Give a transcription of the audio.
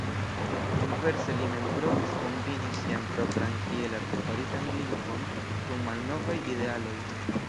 Inverse li mem provis kombini sian propran iel artefaritan lingvon kun malnovaj idealoj.